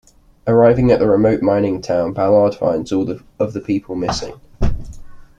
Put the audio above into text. Arriving at the remote mining town, Ballard finds all of the people missing.